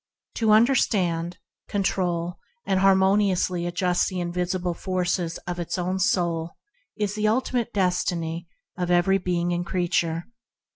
To understand, control, and adjust harmoniously the invisible forces of its own soul is the ultimate destiny of every being and creature.